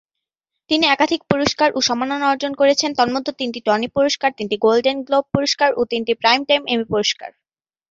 তিনি একাধিক পুরস্কার ও সম্মাননা অর্জন করেছেন, তন্মধ্যে তিনটি টনি পুরস্কার, তিনটি গোল্ডেন গ্লোব পুরস্কার ও তিনটি প্রাইমটাইম এমি পুরস্কার।